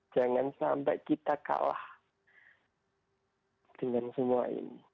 jangan sampai kita kalah dengan semua ini